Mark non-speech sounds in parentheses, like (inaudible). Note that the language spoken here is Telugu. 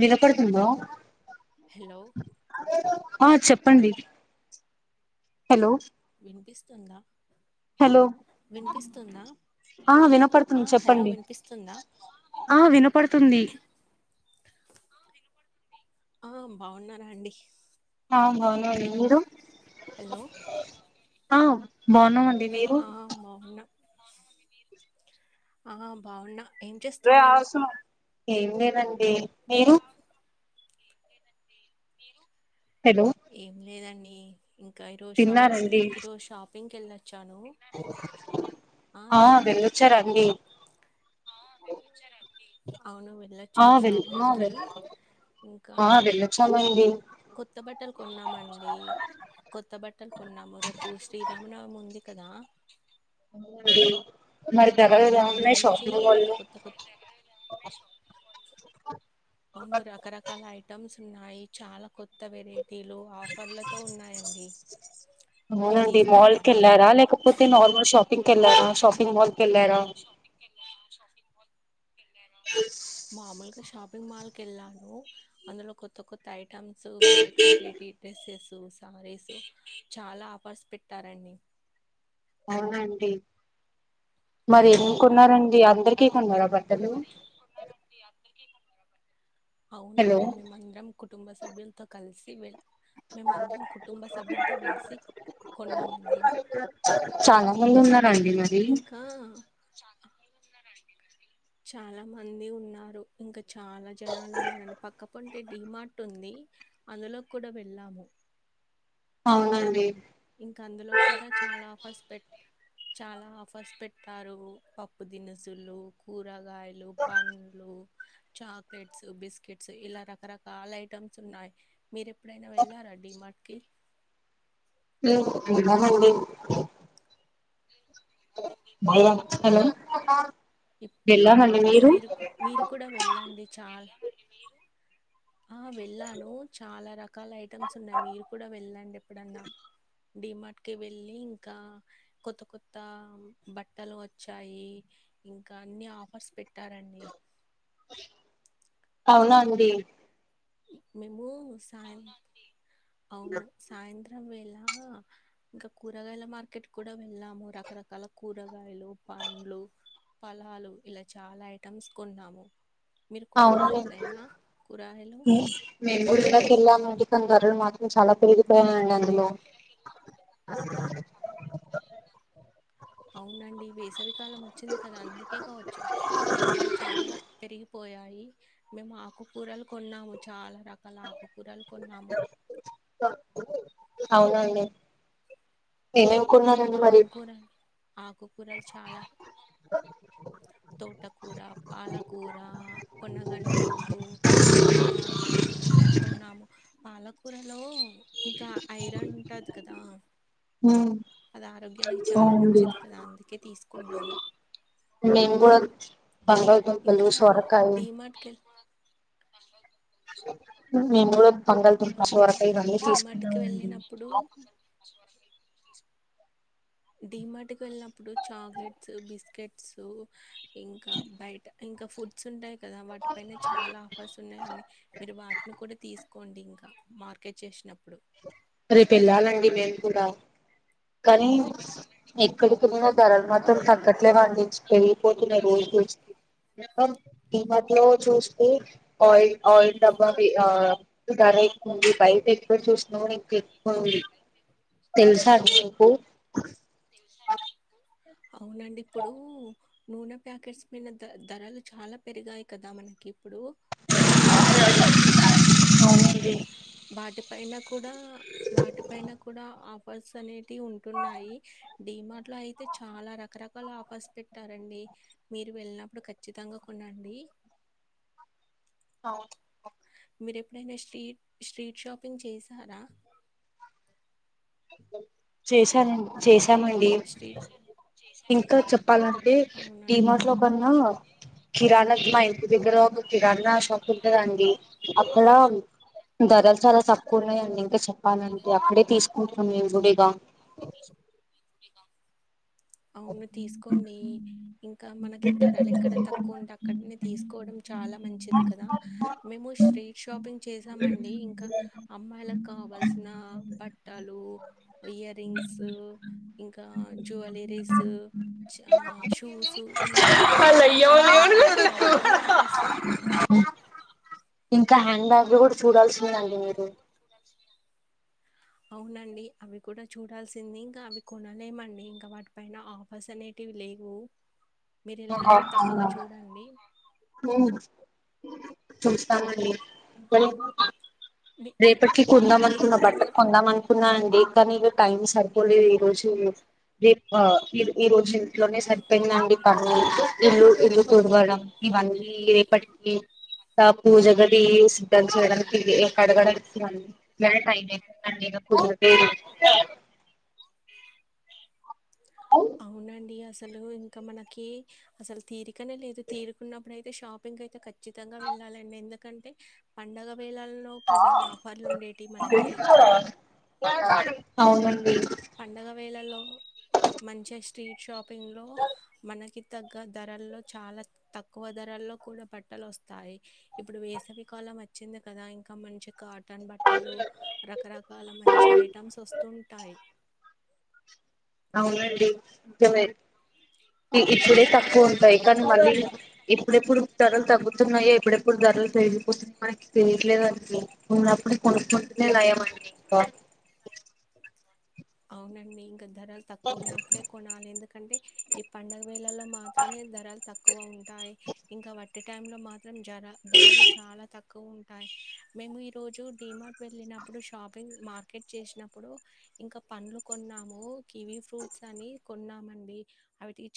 విలకడుతుంద హలో అ చెప్ప డి హలో అనిపిస్తుందా హలో ఆ ఆ వినపడుతుంది హలో చెప్పండి వినిపిస్తుందా ఆ వినపడుతుంది ఆ బాగున్నారా అండి ఆ బాగునడి మీరు హలో బాన్నామండి మీరు ఆ బాగున్నా ఆ బాగున్నా ఏం చేస్తున్నారు ఏం లేదండి మీరు మీరు హలో ఏం లేదండి ఏ ఇంకా ఇరో షాప్ తిన్నారండి ఇరో షాప్ ఇంకెలర్ ఆ వెళ్ళొచ్చారండి ఆ వెళ్ళొచ్చారండి అవును ఆ వెళ్ళొచ్చాను వెల్ ఆ షాపింగ్ కి వెల్ ఇంకా ఆ వెళ్ళొచ్చామండి కొత్త బట్టలు కొన్నామండి కొత్త బట్టలు కొన్నాము రేపు శ్రీరామనవమి ఉంది కదా అవునండి మరి ధరలు ఇంకా ఎలా దాని ఉన్నాయి గురించి షాపింగ్ మాల్ లో కొత్త కొత్త అవును రకరకాల ఐటెమ్స్ ఉన్నాయి చాలా కొత్త వెరైట్ మీరు అవునండి మాల్ కి తీసుకున్నారా వెళ్లారా లేకపోతే నార్మల్ షాపింగ్ కి వెళ్ళారా షాపింగ్ మాల్ కి వెళ్ళారా అ మామూలుగా షాపింగ్ మాల్ కి వెళ్ళాను అందులో కొత్త కొత్త items variety variety dresses saris చాలా ఆఫర్స్ పెట్టారండి అవునండి మరి మీరు ఎం కొన్నారండి అందరికీ కొన్నారా బట్ మరి ఎందుకున్నారండి హలో అవునండి మేమందరం కు తుం సభ్యులతో కలిసి వెళ్లి మేమ అందరం కుటుంబ సభ్యులతో వెలిసి కొన్నామండి చాలా మంది ఉన్నారండి మరి ఇంకా చా తిన్నారండి ఇపుడు చాలా మంది ఉన్నారు. ఇంకా చాలా జనాలు ఉన్నారండి పక్కపంటే డిమార్ట్ ఉంది. అందులో కూడా వెళ్ళాము. అవునండి ఇంకా అందులో కూడా చాలా ఆఫర్స్ పెట్ చాలా ఆఫర్స్ పెట్టారు పప్పు దినుసులు కూరగాయలు పండ్లు చాక్లెట్స్ బిస్కెట్స్ ఇలా రకరకాల ఐటమ్స్ ఉన్నాయి మీరు ఎప్పుడైనా వెళ్ళారా డి మార్ట్ కి కి డు తిన్నాండి హలో ఇప్ ఇప్పుడు మీరు మీరు కూడా వెళ్ళండి చాలా ఆ వెళ్ళాను చాలా రకాల ఐటమ్స్ ఉన్నాయి మీరు కూడా వెళ్ళండి ఎప్పుడన్నా డిమార్ట్ కి వెళ్ళి ఇంకా కొత్త కొత్త బట్టలు వచ్చాయి ఇంకా అన్ని ఆఫర్స్ పెట్ తారండి అవునా అండి మేము సాయం అవును సాయంత్రం ం ఇలా ఇంకా కూరగాయల మార్కెట్ కూడా వెళ్ళాము రకరకాల కూరగాయలు పండ్లు ఫలాలు ఇలా చాలా ఐటమ్స్ కొన్నాము మీరు కొన్నారు అవునండి ఎప్పుడైనా కూరయలు మేములాకెళ్ళామండి కంగారులు మాత్రం చాలా పెరుగి ఉందులో (unintelligible) అవునండి వేసవికాలం వచ్చింది కదా అందుకే కావచ్చు ధరలు చాలా పెరిగి పోయాయి మేము ఆకుకూరలు కొన్నాము చాలా రకాల ఆకుకూరలు కొన్నాము అవునండి ఆ నేనేమికుున్ననండి మరి ఆకుకూరలు ఆకుకూరలు చాలా తోటకూర పాలకూర పొన్నగంటాకు మునిగాకు ఇలా కొన్నాము పాలకూరలో ఇంకా ఐరన్ ఉంటది కదా ఉమ్, అది ఆరోగ్యానికి చాలా అవునండి మంచిది కదా అందుకే తీసుకున్నాము మేము కూడా బంగాళదుంపలు ఇంకా సొరకాయ డడిమార్ట్కె మేము కూడా బంగాళదుంప అవునా సొరకాయ ఇవన్నీ డడిమాట్కి తీసుకున్నామండి వెళ్ళినప్పుడు టికి వెళ్ళినప్పుడు చాక్లెట్స్ బిస్కెట్స్ ఇంకా బయట ఇంకా ఫుడ్స్ ఉంటాయి కదా వాటిపైనే చాలా ఆఫర్స్ ఉన్నాయియండి మీరు వాటిని కూడా తీసుకు అకండింగ్గా మార్కెట్ చేసినప్పుడు రేపు వెళ్ళాలండి మీరు లా కానీ ఎక్కడి తరిగిన ధరలు మాత్రం ఆ తగ్గట్లేగా అండించి పెళ్గిపోతున్నాయి రోజు ఈ మధ్యలో చూస్తే ఆయిల్ ఆయిల్ డబ్బా ఆ ధర ఎక్కువంది పైప్ ఎక్కువ చూసినం ఎక్కువంది తెలుసాను పోఓ అవునండి ఇప్పుడు నూనె ప్యాకెట్స్ మీద ధరలు చాలా పెరిగాయి కదా మనకి ఇప్పుడు అవుది యి నాకు కూడా వాటిపైన కూడా పసని ఉంటున్నాయి డిమార్ట్లో అయితే చాలా రకరకాల ఆఫర్స్ పెట్టారండి మీరు వెళ్ళినప్పుడు ఖచ్చితంగా కొనండి అ మీరు ఎప్పుడైనా స్ట్రీట్ స్ట్రీట్ షాపింగ్ చేశారా చేశానండి చేసా ఏమైంది స్ట్రీట్ ఇంకా చెప్పాలంటే అవునండి డిమార్ట్ లో కన్నా కిరాణా మా ఇంటి దగ్గర ఒక కిరాణా షాప్ ఉంటదండి అక్కడ ధరలు చాలా తక్కు ఉన్నాయండి ఇంకా చే అవునండి అక్కడే తీసుకుంటాం మేము కూడా ఇగ అవును తీసుకోండి ఇంకా మనకి ధరలు ఎక్కడ తక్కువ ఉంటే అక్కడని తీసుకోవడం చాలా మంచిది కదా మేము స్ట్రీట్ షాపింగ్ చేసామండి ఇంకా అమ్మాయిలకు కావాల్సి బట్టలు ఇయర్ రింగ్స్ ఇంకా జువలరీస్ షూస్ ఇలా చాలా ఐటమ్స్ ఉన్నాయంండి బాజ్యపాయలు అన్ని ఆపాస్తాయి ఇంకా హ్యాండ్ బ్యాగ్ లో కూడా చూడాల్సి ఉందండి మీరు అవునండి అవి కూడా చూడాల్సింది. ఇంకా అవి కొనలేమండి ఇంకా వాటి పైన ఆఫర్స్ అనేటివి లేవు. మీరు వెళ్ళినప్పుడు తప్పక చూడండి. చూస్తామండి. (inaudible) మీ రేపటికి కొందాం అనుకున్నా బట్ట మీరెప్పుడైనా కొందాం అనుకున్నా అండి కానీ ఇగా టైం సరిపోలేదు ఈ రోజు. రేప్ ఆ ఈ ఈరోజు ఇంట్లోనే సరిపోయిందండి. (inaudible) ఇల్లు ఇల్లు తుడవడం ఇవన్నీ రేపటికి ఆ పూజ గది సిద్ధం చేయడం, ఇగ కడగడానికి లేదు అవునండి అసలు ఇంకా మనకి అసలు తీరికనే లేదు. తీరుకున్నప్పుడుయితే షాపింగ్ అయితే ఖచ్చితంగా వెళ్ళాలండి. ఎందుకంటే పండగ వేలల్లో కదా ఆఫర్లు ఉండేటియి మనకి అవునండి. పండగ వేళల్లో మంచిగా స్ట్రీట్ షాప్ పింగ్ లో మనకి తగ్గ ధరల్లో చాలా తక్కువ ధరల్లో కూడా బట్టలు వస్తాయి. ఇప్పుడు వేసవికాలం వచ్చింది కదా ఇంకా మంచి కాటన్ బట్టలు రకరకాల మంచి ఐటమ్స్ వస్తుంటాయి. అవుండి నిజమే ఇప్పుడే తక్కువ ఉంటయి కానీ మళ్ళీ ఇప్పుడెప్పుడు ధరలు తగ్గుతున్నాయో ఎప్పుడెప్పుడు ధరలు పెరిగిపోతున్నయి మనకి తెలియట్లేదండి, ఉన్నప్పుడు కొనుక్కుంటనే నయం అండి. అవునండి ఇంక ధరలు తక్కువ ఉన్నప్పుడే కొనాలి ఎందుకు కంటే ఈ పండగ వేళలో మాత్రమే ధరలు తక్కువ ఉంటాయి. ఇంకా వట్టి టైంలో మాత్రం జర ధరలు చాలా తక్కువ ఉంటాయి. మేము ఈరోజు డీమా వెళ్ళినప్పుడు షాపింగ్ మార్ పకెట్ చేసినప్పుడు ఇంక పన్లు కొన్నాము కివీ ఫ్రూట్స్ అని కొన్నామండి అవిటీచ్